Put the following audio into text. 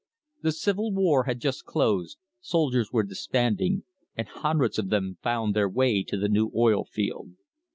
The Civil War had just closed, soldiers were disbanding, and hundreds of them found their way to the new oil field.